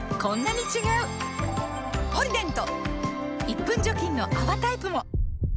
１分除菌の泡タイプも！